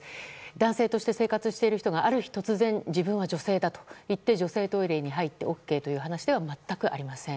男性として生活している人がある日突然自分は女性だと言って女性用トイレに入ったということでは全くありません。